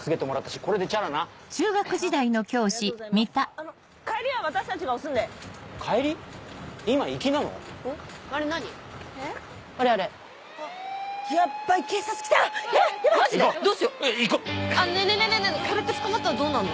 これって捕まったらどうなんの？